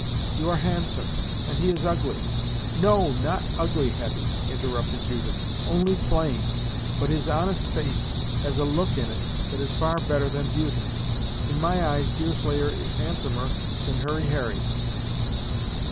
You are handsome, and he is ugly " "No, not ugly, Hetty," interrupted Judith. "Only plain. But his honest face has a look in it that is far better than beauty. In my eyes, Deerslayer is handsomer than Hurry Harry."